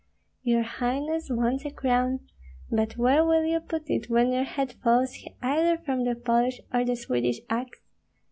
Your highness wants a crown, but where will you put it when your head falls either from the Polish or the Swedish axe?